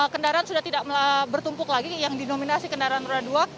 kendaraan sudah tidak bertumpuk lagi yang dinominasi kendaraan roda dua